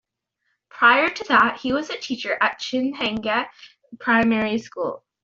Prior to that he was a teacher at Chinhenga primary school.